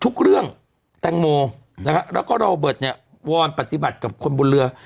ทุกเรื่องแตงโมนะฮะแล้วก็โรเบิร์ตเนี่ยวอนปฏิบัติกับคนบนเรือ